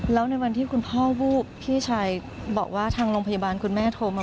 แล้วในวันที่คุณพ่อวูบพี่ชายบอกว่าทางโรงพยาบาลคุณแม่โทรมา